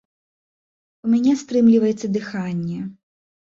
У мяне стрымліваецца дыханне.